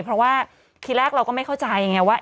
เพราะว่าทีแรกเราก็ไม่เข้าใจไงว่า